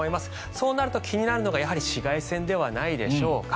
そうなると気になるのが、やはり紫外線ではないでしょうか。